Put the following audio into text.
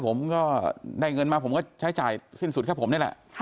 ผมก็ได้เงินมาผมก็ใช้จ่ายสิ้นสุดแค่ผมนี่แหละ